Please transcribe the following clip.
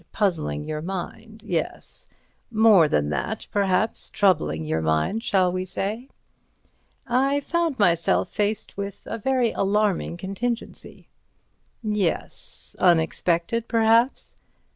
Puzzling your mind. Yes. More than that, perhaps—troubling your mind, shall we say?" "I found myself faced with a very alarming contingency." "Yes. Unexpectedly, perhaps."